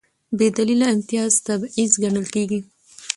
بېدلیله امتیاز تبعیض ګڼل کېږي.